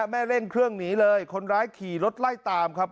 เร่งเครื่องหนีเลยคนร้ายขี่รถไล่ตามครับ